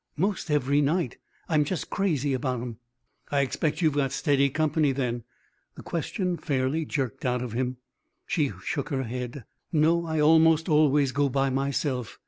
"'Most every night. I'm just crazy about 'em." "I expect you've got steady company, then?" The question fairly jerked out of him. She shook her head. "No, I almost always go by myself.